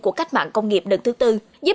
của cách mạng công nghiệp lần thứ tư